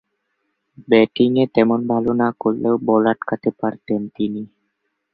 ব্যাটিংয়ে তেমন ভাল না করলেও বল আটকাতে পারতেন তিনি।